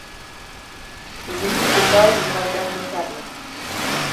Il n'existe pas d'ouvrages d'art notables.